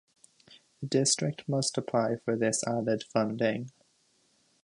The District must apply for this added funding.